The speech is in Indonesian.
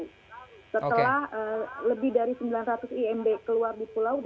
setelah lebih dari sembilan ratus imb keluar di pulau